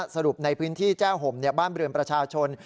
สรุปในพื้นที่แจ้ห่มบ้านเรือนประชาชน